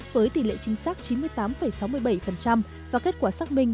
với tỷ lệ chính xác chín mươi tám sáu mươi bảy và kết quả xác minh